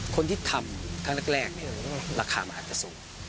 คนที่ทำครั้งแรกราคามันอาจจะสูง